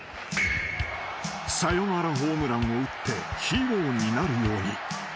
［サヨナラホームランを打ってヒーローになるように］